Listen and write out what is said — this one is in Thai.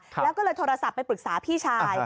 แล้วก็เลยโทรศัพท์ไปปรึกษาพี่ชาย